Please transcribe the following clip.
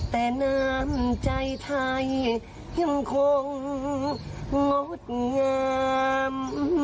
แต่น้ำใจไทยยังคงงดงาม